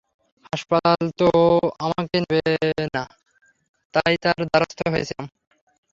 হাসপাতাল তো আমাকে নেবে না, তাই তার দ্বারস্থ হয়েছিলাম।